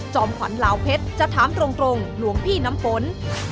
ขวัญลาวเพชรจะถามตรงหลวงพี่น้ำฝน